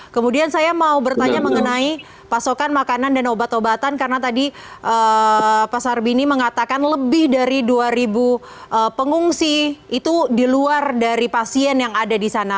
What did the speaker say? kemudian saya mau bertanya mengenai pasokan makanan dan obat obatan karena tadi pak sarbini mengatakan lebih dari dua ribu pengungsi itu di luar dari pasien yang ada di sana